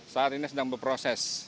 saat ini sedang berproses